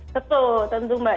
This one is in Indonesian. tentu tentu mbak